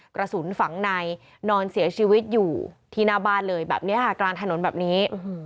กระสุนฝังในนอนเสียชีวิตอยู่ที่หน้าบ้านเลยแบบนี้ค่ะกลางถนนแบบนี้